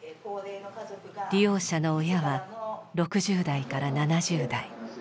利用者の親は６０代から７０代。